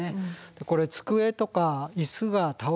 これ机とか椅子が倒れるのは。